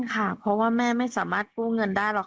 ค่ะเพราะว่าแม่ไม่สามารถพูดเงินได้รับค่ะ